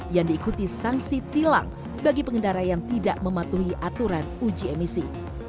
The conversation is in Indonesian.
yang diikuti sanksi tilang bagi pengendara yang tidak mematuhi aturan uji emisi